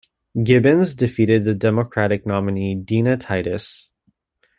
Gibbons defeated the Democratic nominee, Dina Titus.